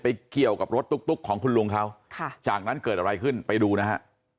เกี่ยวกับรถตุ๊กของคุณลุงเขาค่ะจากนั้นเกิดอะไรขึ้นไปดูนะฮะ